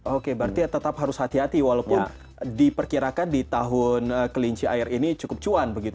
oke berarti tetap harus hati hati walaupun diperkirakan di tahun kelinci air ini cukup cuan begitu